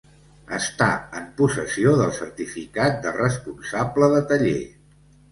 Estar en possessió del certificat de responsable de taller.